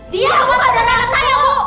dia yang banting